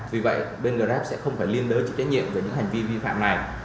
vì vậy bên grab sẽ không phải liên đối trực trách nhiệm với những hành vi vi phạm này